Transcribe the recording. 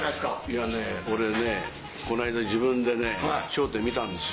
いやね俺この間自分でね『笑点』見たんですよ